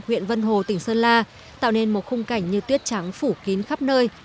huyện vân hồ tỉnh sơn la tạo nên một khung cảnh như tuyết trắng phủ kín khắp nơi